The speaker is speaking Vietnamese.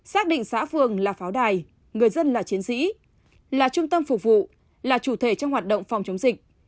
xác định xã phường là pháo đài người dân là chiến sĩ là trung tâm phục vụ là chủ thể trong hoạt động phòng chống dịch